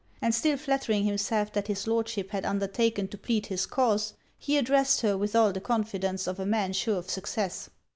And still flattering himself that his Lordship had undertaken to plead his cause, he addressed her with all the confidence of a man sure of success.